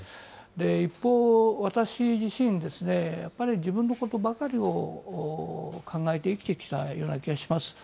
一方、私自身ですね、やっぱり自分のことばかりを考えて生きてきたような気がします。